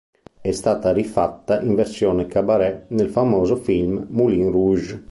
È stata rifatta in versione cabaret nel famoso film "Moulin Rouge!".